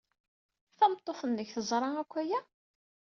Tameṭṭut-nnek teẓra akk aya?